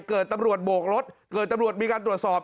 ตำรวจโบกรถเกิดตำรวจมีการตรวจสอบ